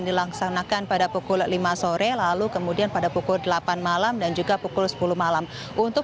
dilaksanakan pada pukul lima sore lalu kemudian pada pukul delapan malam dan juga pukul sepuluh malam untuk